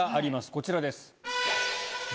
こちらです。